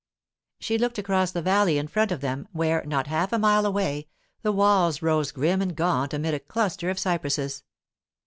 She looked across the valley in front of them, where, not half a mile away, the walls rose grim and gaunt amid a cluster of cypresses.